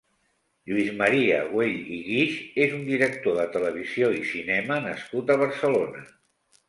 Lluís Maria Güell i Guix és un director de televisió i cinema nascut a Barcelona.